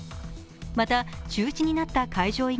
また、中止になった会場